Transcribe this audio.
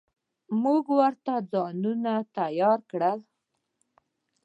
موږ ورته ځانونه تيار کړل.